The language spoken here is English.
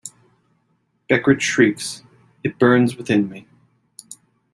Beckert shrieks, ... it burns within me.